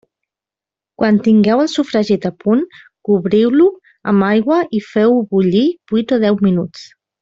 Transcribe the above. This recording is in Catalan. Quan tingueu el sofregit a punt, cobriu-lo amb aigua i feu-ho bullir vuit o deu minuts.